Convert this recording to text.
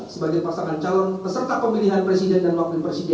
sebagai pasangan calon peserta pemilihan presiden dan wakil presiden